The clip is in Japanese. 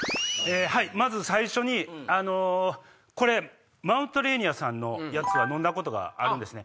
まず最初にマウントレーニアさんのやつは飲んだことがあるんですね。